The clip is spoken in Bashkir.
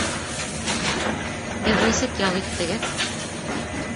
Һеҙ нисек ял иттегеҙ?